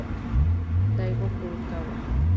Daigo Furukawa